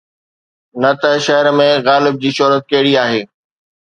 نه ته شهر ۾ غالب جي شهرت ڪهڙي آهي؟